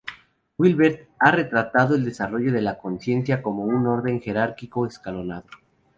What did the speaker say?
Wilber ha retratado el desarrollo de la conciencia como un orden jerárquico, escalonado.